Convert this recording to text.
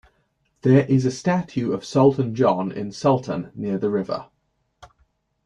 There is a statue of Sultan John in Sultan near the river.